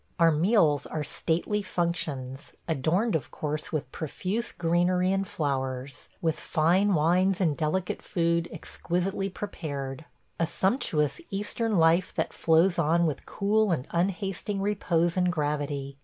Our meals are stately functions – adorned, of course, with profuse greenery and flowers – with fine wines and delicate food exquisitely prepared. ... A sumptuous Eastern life that flows on with cool and unhasting repose and gravity.